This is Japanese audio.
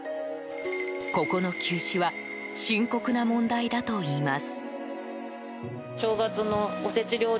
ここの休止は深刻な問題だといいます。